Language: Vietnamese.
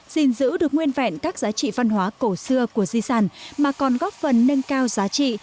gìn giữ được nguyên vẹn các giá trị văn hóa cổ xưa của di sản mà còn góp phần nâng cao giá trị